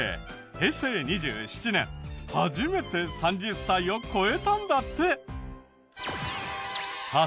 平成２７年初めて３０歳を超えたんだって！